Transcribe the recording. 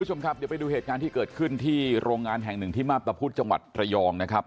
คุณผู้ชมครับเดี๋ยวไปดูเหตุการณ์ที่เกิดขึ้นที่โรงงานแห่งหนึ่งที่มาพตะพุธจังหวัดระยองนะครับ